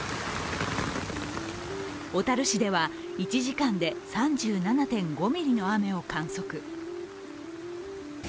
小樽市では１時間で３７．５ミリの雨を観測。